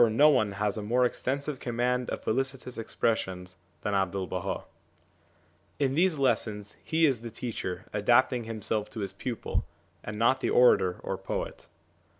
184831 vi SOME ANSWERED QUESTIONS one has a more extensive command of felicitous ex pressions than 'Abdu'1 Baha. In these lessons he is the teacher adapting himself to his pupil, and not the orator or poet.